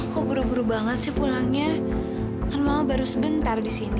kok buru buru banget sih pulangnya kan mama baru sebentar di sini